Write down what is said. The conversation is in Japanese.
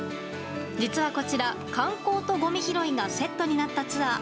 実はこちら、観光とごみ拾いがセットになったツアー。